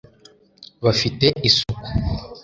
bafite isuku